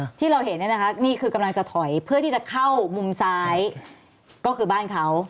ทีนี้ที่เราเห็นนี่คือกำลังจะถอยเพื่อที่จะเข้ามุมซ้ายก็คือบ้านเขา